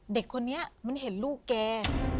เด็กคนนี้มันเห็นลูกแก